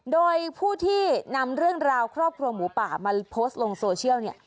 โดยผู้ที่นำเรื่องราวครอบครัวหมูป่ามาโพสต์ลงโซเชียลเนี่ย